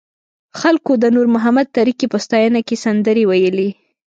خلکو د نور محمد تره کي په ستاینه کې سندرې ویلې.